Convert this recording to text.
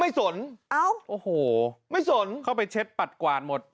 ไม่สนไม่สนเข้าไปเช็ดปัดกวานหมด